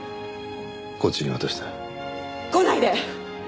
来ないで！